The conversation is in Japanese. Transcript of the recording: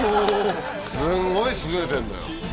すんごい優れてんのよ。